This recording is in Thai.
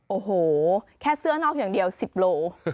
โอ้โหแค่เสื้อนอกอย่างเดียว๑๐โล